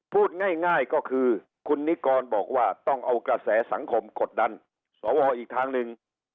พูดง่ายก็คือคุณนิกรบอกว่าต้องเอากระแสสังคมกดดันสวอีกทางหนึ่ง